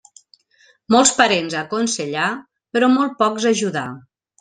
Molts parents a aconsellar, però molt pocs a ajudar.